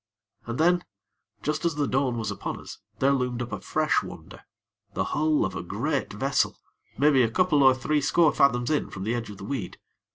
And then, just as the dawn was upon us, there loomed up a fresh wonder the hull of a great vessel maybe a couple or three score fathoms in from the edge of the weed.